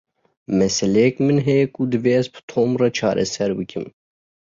Meseleyek min heye ku divê ez bi Tom re çareser bikim.